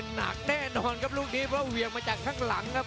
หนักแน่นอนครับลูกนี้เพราะเหวี่ยงมาจากข้างหลังครับ